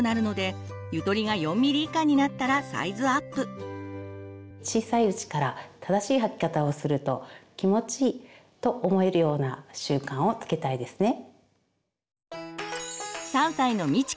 一般的に小さいうちから正しい履き方をすると「気持ちいい」と思えるような習慣をつけたいですね。